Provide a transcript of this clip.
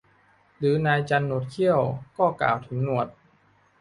หรือนายจันหนวดเขี้ยว ก็กล่าวถึงหนวด